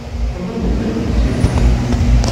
Anda i nezmer ad nsiwel?